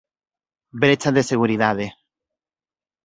Brecha de seguridade.